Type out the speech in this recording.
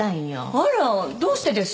あらどうしてです？